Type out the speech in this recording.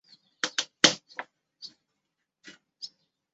黄绿薹草为莎草科薹草属的植物。